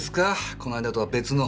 この間とは別の。